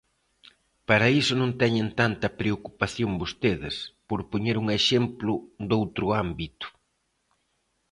Para iso non teñen tanta preocupación vostedes, por poñer un exemplo doutro ámbito.